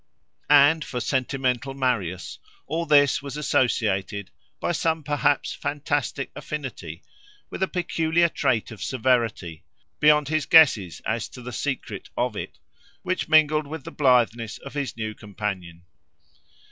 And, for sentimental Marius, all this was associated, by some perhaps fantastic affinity, with a peculiar trait of severity, beyond his guesses as to the secret of it, which mingled with the blitheness of his new companion.